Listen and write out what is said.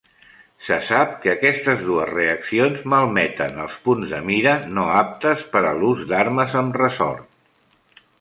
Se sap que aquestes dues reaccions malmeten els punts de mira no aptes per a l'ús d'armes amb ressort.